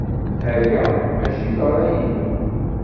Aya maci d ṛṛay-nnem.